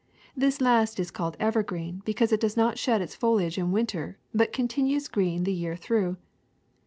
This last is called evergreen because it does not shed its foliage in winter, but continues green the year through.